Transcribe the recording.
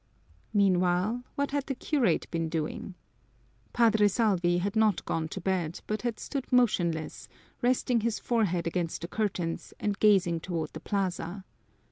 Meanwhile, what had the curate been doing? Padre Salvi had not gone to bed but had stood motionless, resting his forehead against the curtains and gazing toward the plaza.